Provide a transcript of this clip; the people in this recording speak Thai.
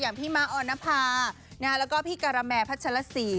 อย่างพี่มะออนภาแล้วก็พี่กะระแมพัชละศรี